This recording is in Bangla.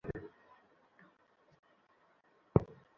থানায় মামলা হলেও এখন পর্যন্ত কোনো ডাকাতকেই পুলিশ গ্রেপ্তার করতে পারেনি।